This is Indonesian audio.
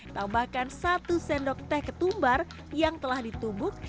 tambahkan satu sendok teh ketumbar yang telah ditumbuk